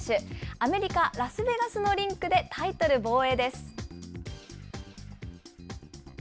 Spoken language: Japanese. アメリカ・ラスベガスのリングでタイトル防衛です。